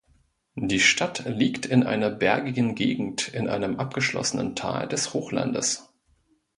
Die Stadt liegt in einer bergigen Gegend, in einem abgeschlossenen Tal des Hochlandes.